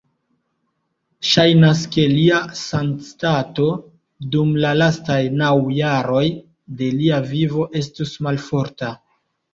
Ŝajnas, ke lia sanstato dum la lastaj naŭ jaroj de lia vivo estus malforta.